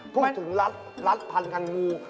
พูดถึงลักษณ์พันธุ์ทางงู